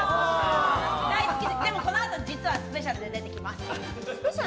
でも実はこのあとスペシャルで出てきます。